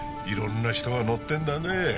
いろんな人が乗ってんだね